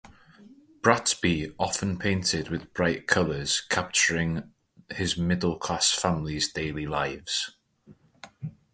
Bratby often painted with bright colours, capturing his middle-class family's daily lives.